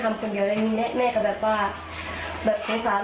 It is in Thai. ทำไมต้องทำกับหนูแบบนี้หนูหาเงินเรียน